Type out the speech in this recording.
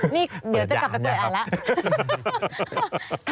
นี่เดี๋ยวจะกลับไปเปิดอ่านแล้ว